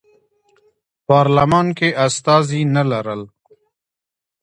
پارلمان کې استازي نه لرل.